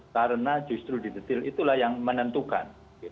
karena justru di detail itulah yang menentukan